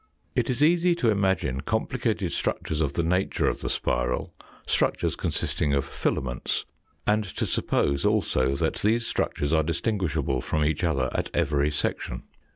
It is easy to imagine complicated structures of the nature of the spiral, structures consisting of filaments, and to suppose also that these structures are distinguish able from each other at every section.